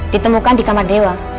ditemukan di kamar dewa